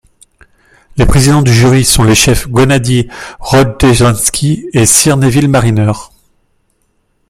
Les présidents du jury sont les chefs Guennadi Rojdestvenski et Sir Neville Marriner.